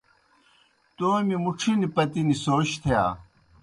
تومیْ مُڇِھنیْ پتِنیْ سوچ تِھیا۔